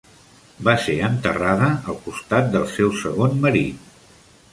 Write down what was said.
Va ser enterrada al costat del seu segon marit.